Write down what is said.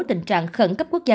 tình trạng khẩn cấp quốc gia